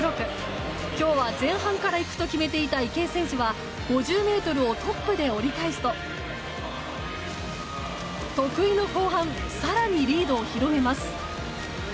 今日は前半から行くと決めていた池江選手は５０ｍをトップで折り返すと得意の後半更にリードを広げます。